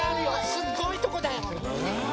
すごいとこだよ。